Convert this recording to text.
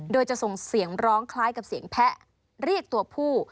โดยจะส่งเสียงร้องคล้ายกับเสียงแพะเรียกตัวผู้